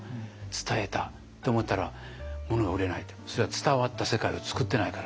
伝えたって思ったらものが売れないってそれは伝わった世界を作ってないからだと。